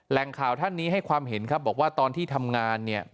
แหล่งข่าวท่านนี้ให้ความเห็นครับบอกว่าตอนที่ทำงานเนี่ย